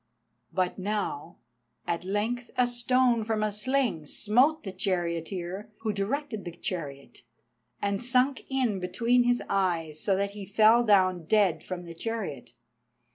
But now at length a stone from a sling smote the charioteer who directed the chariot, and sunk in between his eyes, so that he fell down dead from the chariot.